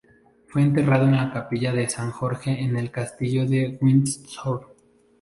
Fue enterrado en la capilla de San Jorge en el Castillo de Windsor.